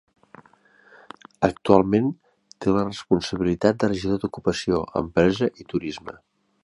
Actualment té la responsabilitat de regidor d'Ocupació, Empresa i Turisme.